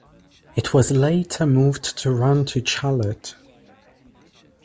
It was later moved to run to Charlotte.